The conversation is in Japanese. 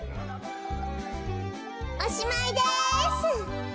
おしまいです！